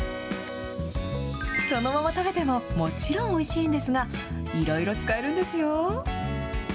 そのまま食べてももちろんおいしいんですが、いろいろ使えるんですよ。